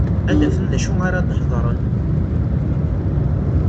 Ad afen d acu ara hedren.